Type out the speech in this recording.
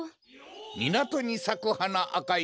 みなとにさくはなあかいはな。